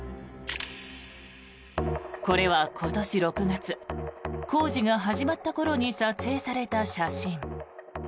これは今年６月工事が始まった頃に撮影された写真。